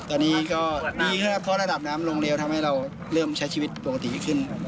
ตอนนี้ก็ดีครับเพราะระดับน้ำลงเร็วทำให้เราเริ่มใช้ชีวิตปกติขึ้น